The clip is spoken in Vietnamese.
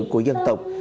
của dân tộc